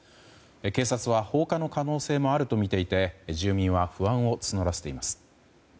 警察は放火の可能性もあるとみていて住民は不安を募らせています。